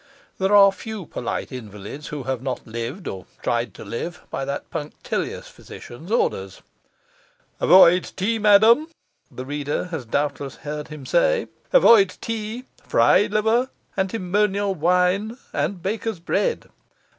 There are few polite invalids who have not lived, or tried to live, by that punctilious physician's orders. 'Avoid tea, madam,' the reader has doubtless heard him say, 'avoid tea, fried liver, antimonial wine, and bakers' bread.